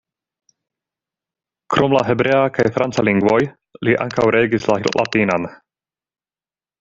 Krom la hebrea kaj franca lingvoj li ankaŭ regis la latinan.